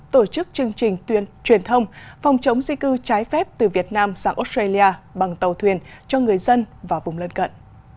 tổ chức chương trình tuyển thông phòng chống di cư trái phép từ việt nam sang australia bằng tàu thuyền cho người dân và vùng lân cận